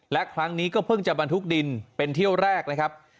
และครั้งนี้ก็เพิ่งจะบรรทุกดินเป็นเที่ยวแรกนะครับ